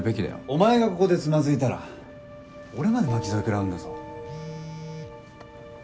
お前がここでつまずいたら俺まで巻き添え食らうんだぞ。